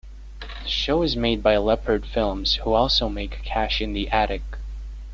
The show is made by Leopard Films, who also make "Cash in the Attic".